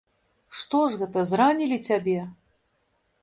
Што ж гэта, зранілі цябе?